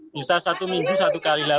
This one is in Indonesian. bisa satu minggu satu kali